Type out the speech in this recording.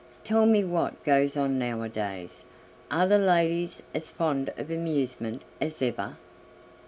Tell me what goes on nowadays; are the ladies as fond of amusement as ever?